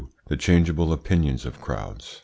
THE CHANGEABLE OPINIONS OF CROWDS.